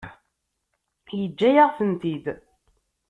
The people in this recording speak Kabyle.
Yeǧǧa-yaɣ-tent-id.